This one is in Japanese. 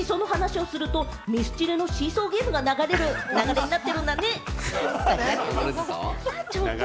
岡村さんがシソの話をすると、ミスチルの『シーソーゲーム』が流れる流れになってるんだね！